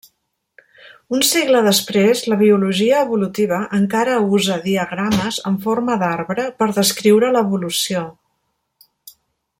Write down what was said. Un segle després la biologia evolutiva encara usa diagrames en forma d'arbre per descriure l'evolució.